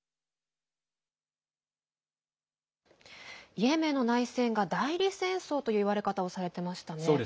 イエメンの内戦が代理戦争といういわれ方をされてましたね。